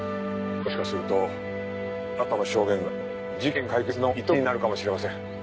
もしかするとあなたの証言が事件解決の糸口になるかもしれません。